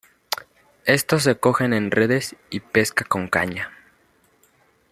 Estos se cogen en redes y pesca con caña.